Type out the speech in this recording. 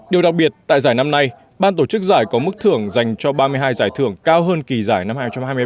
điều đặc biệt tại giải năm nay ban tổ chức giải có mức thưởng dành cho ba mươi hai giải thưởng cao hơn kỳ giải năm hai nghìn hai mươi ba